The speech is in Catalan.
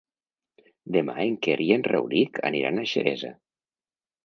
Demà en Quer i en Rauric aniran a Xeresa.